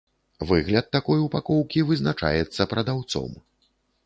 Выгляд такой упакоўкі вызначаецца прадаўцом.